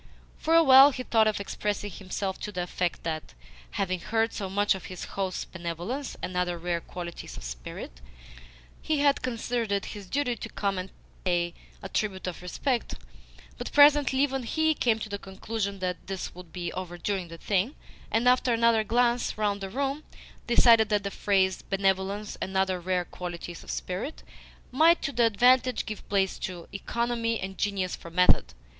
For a while he thought of expressing himself to the effect that, having heard so much of his host's benevolence and other rare qualities of spirit, he had considered it his duty to come and pay a tribute of respect; but presently even HE came to the conclusion that this would be overdoing the thing, and, after another glance round the room, decided that the phrase "benevolence and other rare qualities of spirit" might to advantage give place to "economy and genius for method."